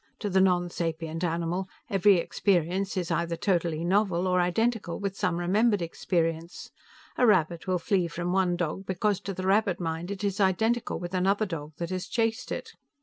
To the nonsapient animal, every experience is either totally novel or identical with some remembered experience. A rabbit will flee from one dog because to the rabbit mind it is identical with another dog that has chased it.